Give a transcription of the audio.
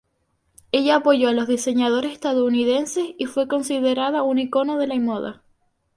Ella apoyó a los diseñadores estadounidenses y fue considerada un icono de la moda.